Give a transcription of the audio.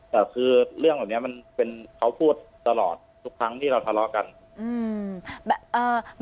แต่คือเรื่องเหล่านี้มันเป็นเขาพูดตลอดทุกครั้งที่เราทะเลาะกันอืม